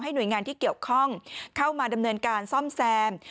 หน่วยงานที่เกี่ยวข้องเข้ามาดำเนินการซ่อมแซม